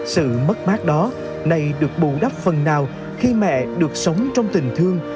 sự mất mát đó này được bù đắp phần nào khi mẹ được sống trong tình thương